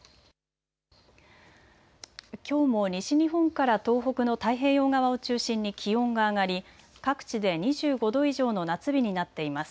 きょうも西日本から東北の太平洋側を中心に気温が上がり各地で２５度以上の夏日になっています。